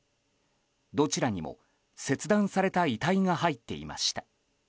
どちらにも切断された遺体が入っていました。